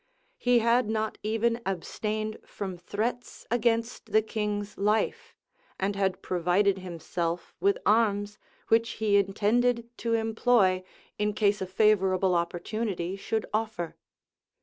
He had not even abstained from threats against the king's life; and had provided himself with arms, which he intended to employ, in case a favorable opportunity should offer.